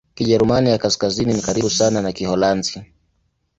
Kijerumani ya Kaskazini ni karibu sana na Kiholanzi.